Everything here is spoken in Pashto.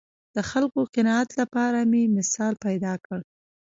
د خلکو قناعت لپاره مې مثال پیدا کړ